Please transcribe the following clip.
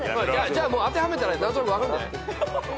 じゃあ当てはめたら何となく分かるんじゃない？